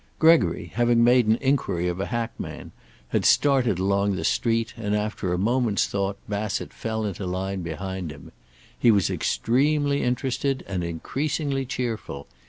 Gregory, having made an inquiry of a hackman, had started along the street, and, after a moment's thought, Bassett fell into line behind him. He was extremely interested and increasingly cheerful.